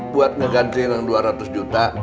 buat ngeganti yang dua ratus juta